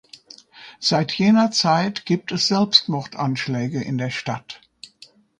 Seit jener Zeit gibt es Selbstmordanschläge in der Stadt.